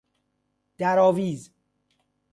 در آویز